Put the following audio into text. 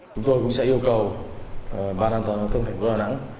chúng tôi cũng sẽ yêu cầu ban an toàn giao thông thành phố đà nẵng